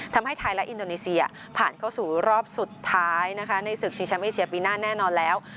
ทำให้ไทยและอินโดนีเซียผ่านเข้าสู่รอบสุดท้ายนะคะในศึกชิงแชมป์เอเชียปีหน้าแน่นอนแล้ว